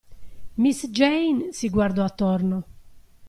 Miss Jane si guardò attorno.